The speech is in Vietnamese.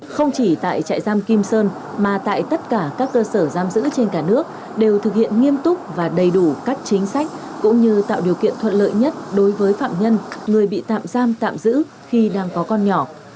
không chỉ tại trại giam kim sơn mà tại tất cả các cơ sở giam giữ trên cả nước đều thực hiện nghiêm túc và đầy đủ các chính sách cũng như tạo điều kiện thuận lợi nhất đối với phạm nhân người bị tạm giam tạm giữ khi đang có con nhỏ